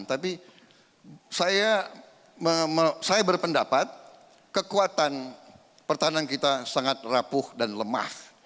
tapi saya berpendapat kekuatan pertahanan kita sangat rapuh dan lemah